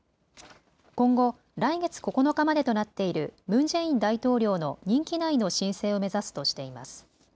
今後、来月９日までとなっているムン・ジェイン大統領の任期内の申請を目指すとしています。